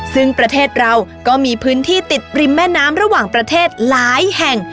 ซึ่งประเทศเราก็มีพื้นที่ติดริมแม่น้ำระหว่างประเทศหลายแห่ง